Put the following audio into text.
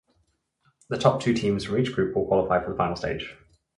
The top two teams from each group will qualify for the final stage.